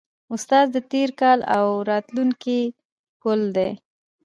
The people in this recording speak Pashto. استاد د تېر او راتلونکي پل دی.